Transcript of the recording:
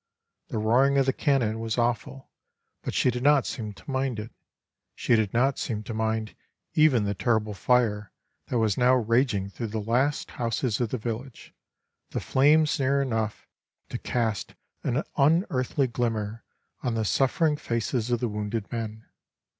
The roaring of the cannon was awful, but she did not seem to mind it; she did not seem to mind even the terrible fire that was now raging through the last houses of the village, the flames near enough to cast an unearthly glimmer on the suffering faces of the wounded men.